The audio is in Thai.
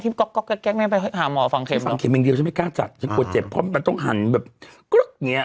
มันแบบกรึ๊กอย่างนี้